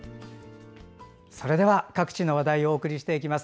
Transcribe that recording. それでは各地の話題をお送りしていきます。